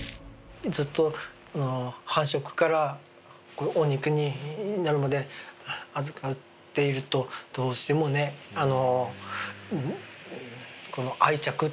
ずっと繁殖からお肉になるまで預かっているとどうしてもねこの愛着っていうか。